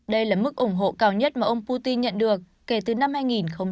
đây là mức ủng hộ cao nhất mà ông putin nhận được kể từ năm hai nghìn một mươi